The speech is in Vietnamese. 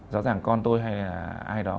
rõ ràng con tôi hay là ai đó